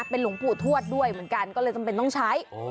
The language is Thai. เป็นหลวงปู่ทวดด้วยเหมือนกันก็เลยจำเป็นต้องใช้